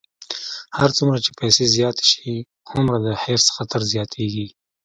هر څومره چې پیسې زیاتې شي، هومره د حرص خطر زیاتېږي.